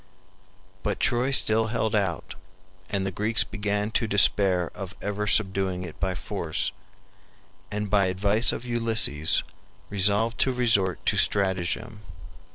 But Troy still held out, and the Greeks began to despair of ever subduing it by force, and by advice of Ulysses resolved to resort to stratagem.